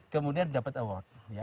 kemudian dapat award